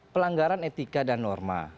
pelanggaran etika dan norma